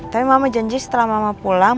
tapi mama janji setelah mama pulang